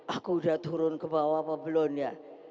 aku udah turun ke bawah apa belum ya